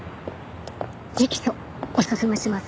直訴お勧めします。